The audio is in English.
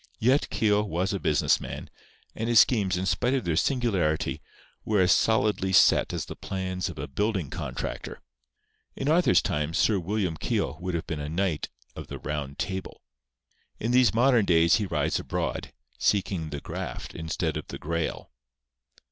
Yet Keogh was a business man; and his schemes, in spite of their singularity, were as solidly set as the plans of a building contractor. In Arthur's time Sir William Keogh would have been a Knight of the Round Table. In these modern days he rides abroad, seeking the Graft instead of the Grail.